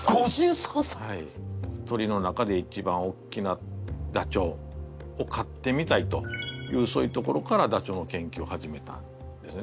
鳥の中で一番おっきなダチョウを飼ってみたいというそういうところからダチョウの研究を始めたんですね。